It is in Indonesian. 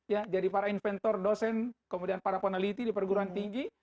ya jadi para inventor dosen kemudian para peneliti di perguruan tinggi